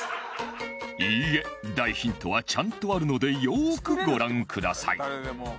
いいえ大ヒントはちゃんとあるのでよーくご覧ください